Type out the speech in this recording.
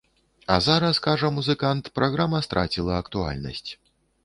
А зараз, кажа музыкант, праграма страціла актуальнасць.